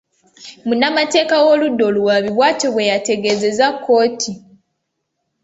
Munnamateeka w'oludda oluwaabi bw'atyo bwe yategezezza kkooti.